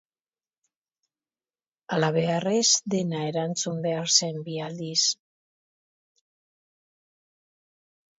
Halabeharrez dena erantzun behar zen bi aldiz.